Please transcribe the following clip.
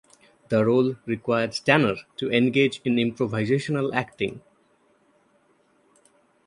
The role required Tanner to engage in improvisational acting.